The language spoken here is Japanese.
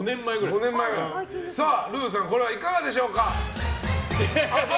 ルーさんこれはいかがでしょうか。